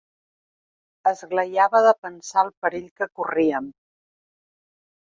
Esglaiava de pensar el perill que corríem.